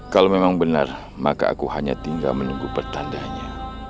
kalau memang benar maka aku hanya tinggal menunggu pertandanya